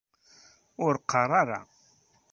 Ur qqar ara.